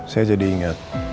saya jadi ingat